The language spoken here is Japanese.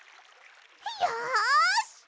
よし！